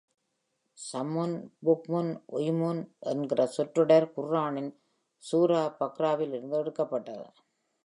"சம்முன், புக்முன், உம்யூன்" என்கின்ற சொற்றொடர் குர்ஆனின் சூரா பக்கராவிலிருந்து எடுக்கப்பட்டது.